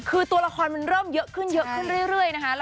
คือตัวละครมันเริ่มเยอะขึ้นเยอะขึ้นเรื่อยนะคะ